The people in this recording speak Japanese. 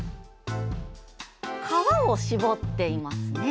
皮を搾っていますね。